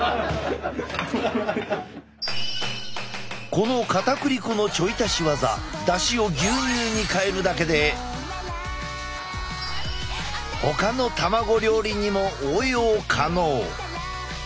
このかたくり粉のちょい足し技だしを牛乳に変えるだけでほかの卵料理にも応用可能。